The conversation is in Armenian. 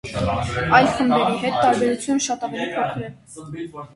Այլ խմբերի հետ տարբերությունը շատ ավելի փոքր է։